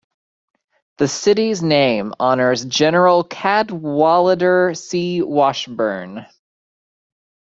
The city's name honors General Cadwallader C. Washburn.